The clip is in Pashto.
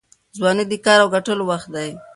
ځواني د کار او ګټلو وخت دی.